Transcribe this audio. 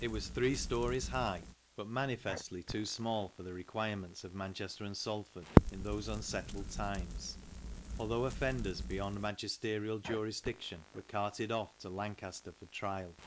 It was three storeys high, but manifestly too small for the requirements of Manchester and Salford in those unsettled times, although offenders beyond magisterial jurisdiction were carted off to Lancaster for trial.